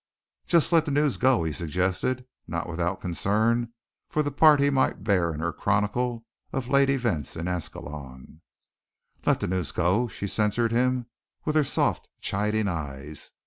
"Just let the news go," he suggested, not without concern for the part he might bear in her chronicle of late events in Ascalon. "Let the news go!" She censured him with her softly chiding eyes.